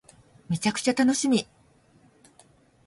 めちゃくちゃ楽しみ